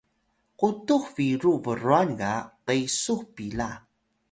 qutux biru brwan ga qesu pila